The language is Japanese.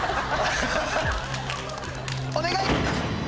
お願い！